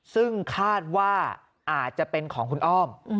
ซึ่งคาดว่าอาจจะเป็นของคุณอ้อม